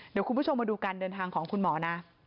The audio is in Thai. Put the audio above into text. เดี๋ยวคุณผู้ชมมาดูการเดินทางของคุณหมอนะ